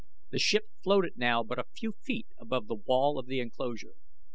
The ship floated now but a few feet above the wall of the enclosure.